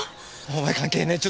お前関係ねえ。